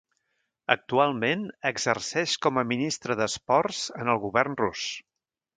Actualment exerceix com a Ministre d'Esports en el govern rus.